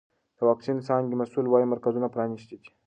د واکسین د څانګې مسؤل وایي مرکزونه پرانیستي دي.